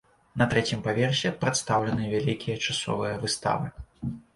На трэцім паверсе прадстаўлены вялікія часовыя выставы.